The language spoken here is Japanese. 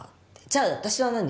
「じゃあ私は何？